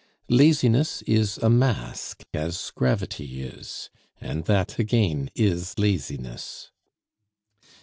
Laziness is a mask as gravity is, and that again is laziness.